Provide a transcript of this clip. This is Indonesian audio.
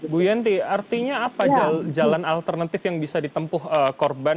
bu yanti artinya apa jalan alternatif yang bisa ditempuh korban